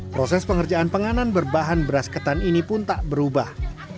proses pengerjaan penganan berbahan beras ketan ini pun tak berubah